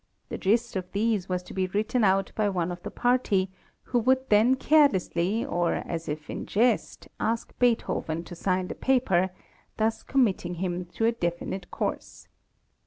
The gist of these was to be written out by one of the party, who would then carelessly, or as if in jest, ask Beethoven to sign the paper, thus committing him to a definite course.